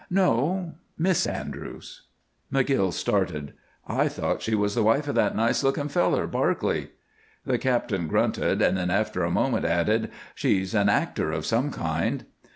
"No, Miss Andrews." McGill started. "I thought she was the wife of that nice looking feller, Barclay." The captain grunted, and then after a moment added, "She's an actor of some kind."